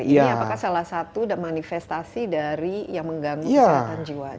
ini apakah salah satu manifestasi dari yang mengganggu kesehatan jiwa